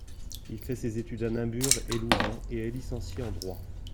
Il fait ses études à Namur et Louvain et est licencié en droit.